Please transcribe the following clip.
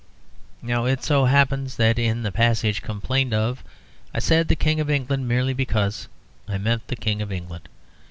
Now it so happens that in the passage complained of I said the King of England merely because I meant the King of England.